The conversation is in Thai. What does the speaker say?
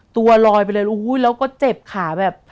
ตัวลอยไปเลยแล้วก็เจ็บขาแบบ